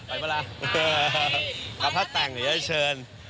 ไปครับถ้าแต่งอย่าเชิญ